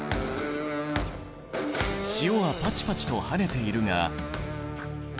塩はパチパチとはねているが。